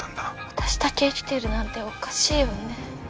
私だけ生きてるなんておかしいよね。